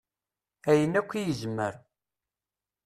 Ayen akk i yezmer.